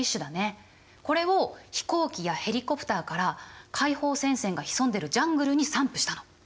これを飛行機やヘリコプターから解放戦線が潜んでるジャングルに散布したの。